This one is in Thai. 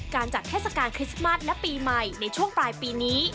จัดเทศกาลคริสต์มัสและปีใหม่ในช่วงปลายปีนี้